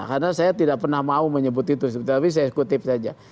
karena saya tidak pernah mau menyebut itu tapi saya kutip saja